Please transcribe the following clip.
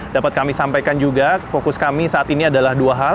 dapat kami sampaikan juga fokus kami saat ini adalah dua hal